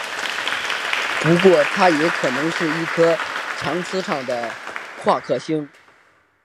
不过它也可能是一颗有强磁场的夸克星。